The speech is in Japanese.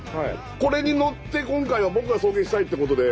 これに乗って今回は僕が送迎したいってことで。